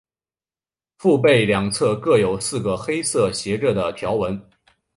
腹背两侧各有四个黑褐色斜着的条斑。